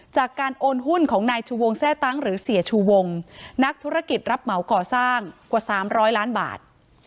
จากการโอนหุ้นของนายชูวงแทร่ตั้งหรือเสียชูวงนักธุรกิจรับเหมาก่อสร้างกว่า๓๐๐ล้านบาท